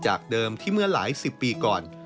จากเดิมที่เมื่อหลายสิบปีก่อน